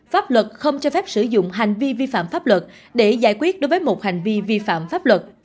pháp luật không cho phép sử dụng hành vi vi phạm pháp luật để giải quyết đối với một hành vi vi phạm pháp luật